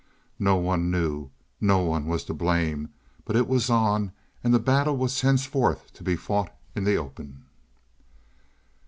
No one knew, no one was to blame, but it was on, and the battle had henceforth to be fought in the open.